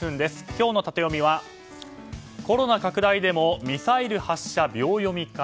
今日のタテヨミはコロナ拡大でもミサイル発射秒読みか。